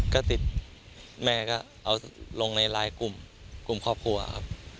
ก็ติดแม่ก็เอาลงในไลน์กลุ่มกลุ่มครอบครัวครับ